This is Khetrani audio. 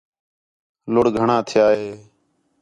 لُڑھ گھݨاں تِھیا ہے